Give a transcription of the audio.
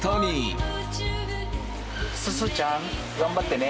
すずちゃん頑張ってね。